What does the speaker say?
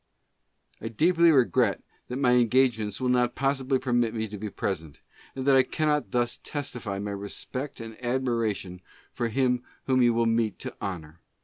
I deeply regret that my engagements will not possibly permit me to be present, and that I cannot thus testify my respect and admiration for him whom you will meet to honor.